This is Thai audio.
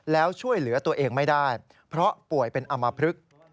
แล้วช่วยเหลือตัวเองไม่ได้เพราะป่วยเป็นอำมพลึก